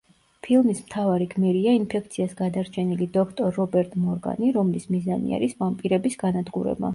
ფილმის მთავარი გმირია ინფექციას გადარჩენილი დოქტორ რობერტ მორგანი, რომლის მიზანი არის ვამპირების განადგურება.